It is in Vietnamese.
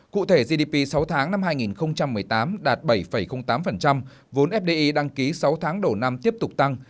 cụ thể gdp sáu tháng năm hai nghìn một mươi tám đạt bảy tám vốn fdi đăng ký sáu tháng đầu năm tiếp tục tăng